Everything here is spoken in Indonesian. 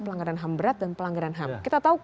pelanggaran ham berat dan pelanggaran ham kita tahu